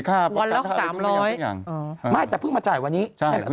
มาให้แต่เพิ่งนาภาษารองค์มาจ่ายวันนี้